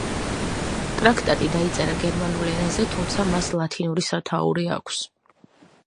ტრაქტატი დაიწერა გერმანულ ენაზე, თუმცა მას ლათინური სათაური აქვს.